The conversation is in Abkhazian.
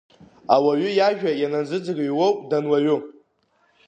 Ауаҩы иажәа ианазыӡырҩуоуп дануаҩу.